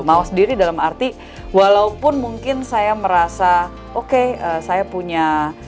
mawas diri dalam arti walaupun mungkin saya merasa oke saya punya